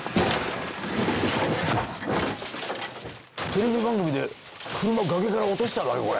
テレビ番組で車崖から落としたのかこれ。